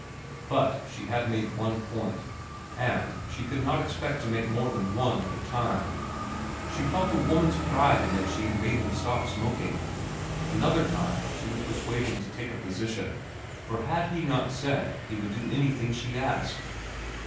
But she had made one point, and she could not expect to make more than one at a time. She felt a woman's pride in that she had made him stop smoking. Another time she would persuade him to take a position, for had he not said he would do anything she asked?